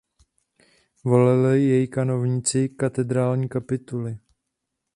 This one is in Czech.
Volili jej kanovníci katedrální kapituly.